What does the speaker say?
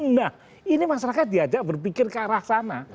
nah ini masyarakat diajak berpikir ke arah sana